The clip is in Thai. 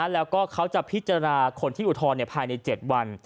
แล้วก็เขาจะพิจารณาคนที่อุทธรณ์ภายใน๗วัน